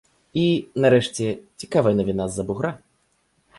І, нарэшце, цікавая навіна з-за бугра.